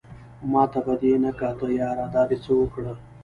ماته به دې نه کاته ياره دا دې څه اوکړه